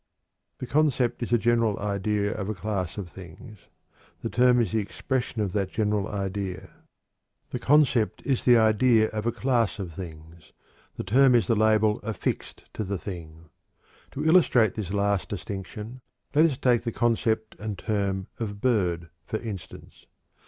The concept is a general idea of a class of things; the term is the expression of that general idea. The concept is the idea of a class of things; the term is the label affixed to the thing. To illustrate this last distinction, let us take the concept and term of "bird," for instance.